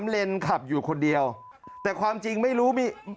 เลนขับอยู่คนเดียวแต่ความจริงไม่รู้มี